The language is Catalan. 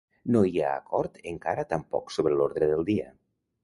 No hi ha acord encara tampoc sobre l’ordre del dia.